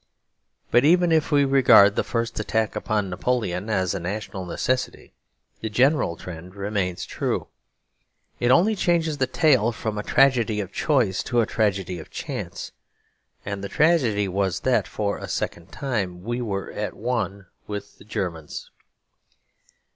But even if we regard the first attack upon Napoleon as a national necessity, the general trend remains true. It only changes the tale from a tragedy of choice to a tragedy of chance. And the tragedy was that, for a second time, we were at one with the Germans.